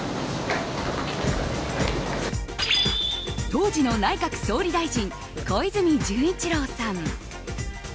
当時の内閣総理大臣小泉純一郎さん。